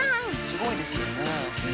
すごいですよね。